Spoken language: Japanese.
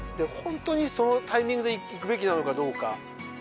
ホントにそのタイミングで行くべきなのかどうか。